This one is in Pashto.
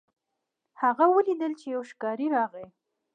هغه ولیدل چې یو ښکاري راغی.